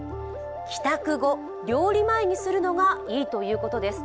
帰宅後、料理前にするのがいいということです。